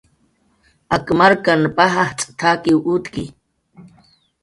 "Ak markan paj ajtz' t""akiw utki"